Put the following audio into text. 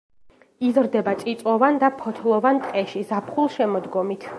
იზრდება წიწვოვან და ფოთლოვან ტყეში, ზაფხულ-შემოდგომით.